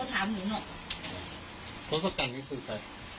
รถสัดกันที่สุดใส่